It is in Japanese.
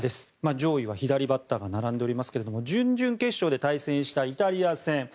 上位は左バッターが並んでおりますけども準々決勝で対戦したイタリア戦。